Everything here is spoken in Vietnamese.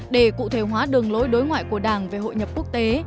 để cụ thể hóa đường lối đối ngoại của đảng về hội nhập quốc tế